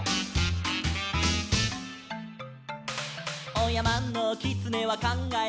「おやまのきつねはかんがえた」